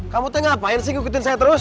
kamu tanya ngapain sih ngikutin saya terus